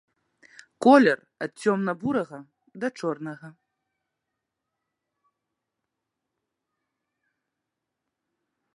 Колер ад цёмна-бурага да чорнага.